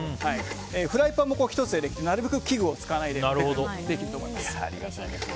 フライパンも１つでなるべく器具を使わないでできると思います。